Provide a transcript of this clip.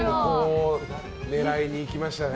狙いに行きましたね。